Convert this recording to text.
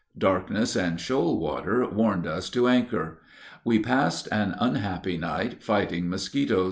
Darkness and shoal water warned us to anchor. We passed an unhappy night fighting mosquitos.